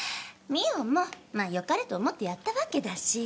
澪もまあよかれと思ってやったわけだし。